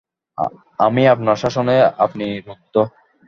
আমি আপনার শাসনে আপনি রুদ্ধ।